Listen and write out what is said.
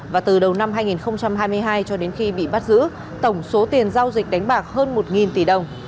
và từ đầu năm hai nghìn hai mươi hai cho đến khi bị bắt giữ tổng số tiền giao dịch đánh bạc hơn một tỷ đồng